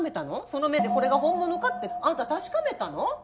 その目でこれが本物かってあなた確かめたの？